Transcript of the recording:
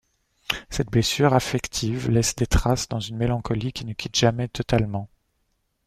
Cette blessure affective laisse des traces dans une mélancolie qui ne quitte jamais totalement.